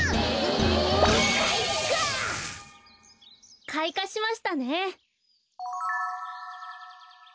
うんかいか！かいかしましたね。